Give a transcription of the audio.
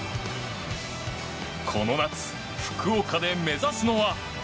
この夏、福岡で目指すのは。